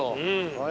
はい。